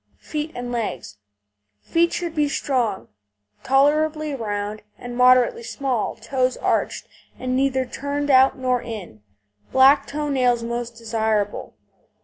FEET AND LEGS Feet should be strong, tolerably round, and moderately small; toes arched, and neither turned out nor in; black toe nails most desirable.